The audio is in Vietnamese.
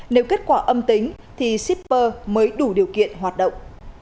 nếu kết quả âm tính thì shipper mới đủ điều kiện hoạt động